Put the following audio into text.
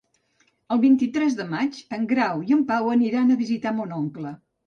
El vint-i-tres de maig en Grau i en Pau aniran a visitar mon oncle.